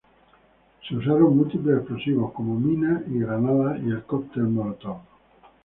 Se usaron múltiples explosivos, como minas y granadas y el cóctel molotov.